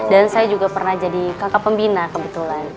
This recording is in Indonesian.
saya juga pernah jadi kakak pembina kebetulan